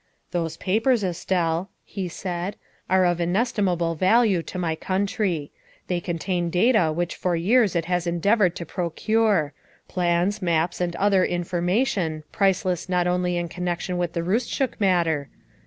" Those papers, Estelle," he said, " are of inestimable value to my country. They contain data which for years it has endeavored to procure plans, maps, and other information priceless not only in connection with the Roostchook matter.